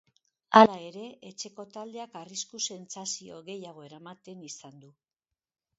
Hala ere, etxeko taldeak arrisku-sentsazio gehiago eramaten izan du.